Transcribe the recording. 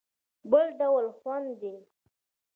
بل ډول خوند دی.